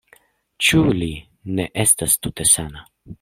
Ĉu li ne estas tute sana?